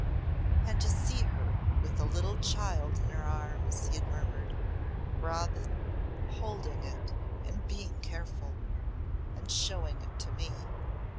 "And to see her with a little child in her arms!" he had murmured. "Robin! Holding it and being careful! And showing it to me!"